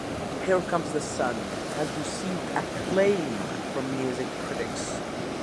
"Here Comes the Sun" has received acclaim from music critics.